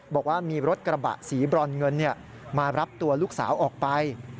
บอกว่ามีรถกระบะสีบรอนเงินมารับตัวลูกสาวออกไป